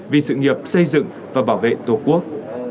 vì sự nghiệp xây dựng và bảo vệ tổ quốc